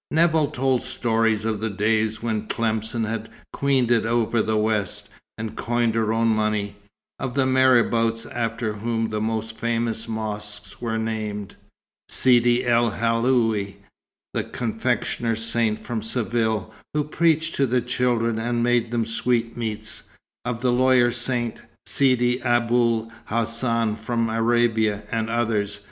Nevill told stories of the days when Tlemcen had queened it over the west, and coined her own money; of the marabouts after whom the most famous mosques were named: Sidi el Haloui, the confectioner saint from Seville, who preached to the children and made them sweetmeats; of the lawyer saint, Sidi Aboul Hassan from Arabia, and others.